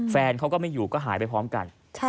แฟนเขาก็ไม่อยู่ก็หายไปพร้อมกัน